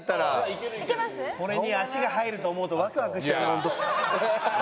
これに足が入ると思うとワクワクしちゃうね本当。